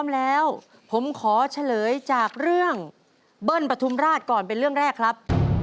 แล้วผมขอเฉลยจากเรื่องเบิ้ลปฐุมราชก่อนเป็นเรื่องแรกครับ